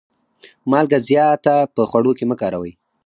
مالګه زیاته په خوړو کي مه کاروئ.